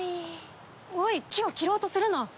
おい木を切ろうとするな。